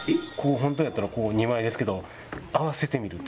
ホントやったら２枚ですけど合わせてみると。